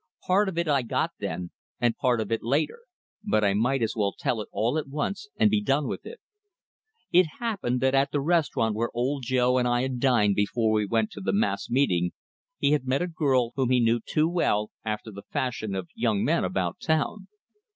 Part of it I got then, and part of it later, but I might as well tell it all at once and be done with it. It happened that at the restaurant where Old Joe and I had dined before we went to the mass meeting, he had met a girl whom he knew too well, after the fashion of young men about town.